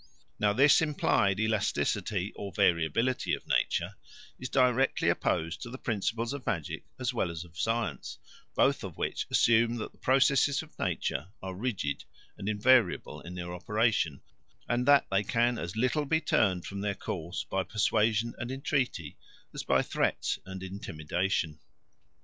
Now this implied elasticity or variability of nature is directly opposed to the principles of magic as well as of science, both of which assume that the processes of nature are rigid and invariable in their operation, and that they can as little be turned from their course by persuasion and entreaty as by threats and intimidation.